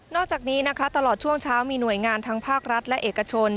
อกจากนี้นะคะตลอดช่วงเช้ามีหน่วยงานทั้งภาครัฐและเอกชน